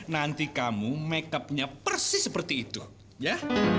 nanti kamu makeup nya persis seperti itu ya